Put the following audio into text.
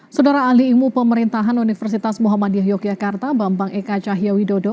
saudara ahli imu pemerintahan universitas muhammadiyah yogyakarta bambang eka cahyawidodo